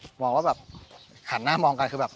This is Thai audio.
ชื่องนี้ชื่องนี้ชื่องนี้ชื่องนี้ชื่องนี้